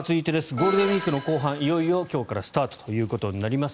ゴールデンウィークの後半いよいよ今日からスタートとなります。